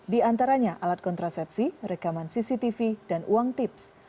di antaranya alat kontrasepsi rekaman cctv dan uang tips